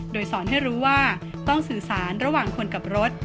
โดยสอนให้รู้ว่าต้องสื่อสารระหว่างคนกับรถ